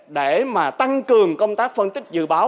để mà tăng cường công tác phân tích dự báo